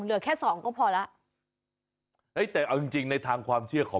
เหลือแค่สองก็พอแล้วเฮ้ยแต่เอาจริงจริงในทางความเชื่อของ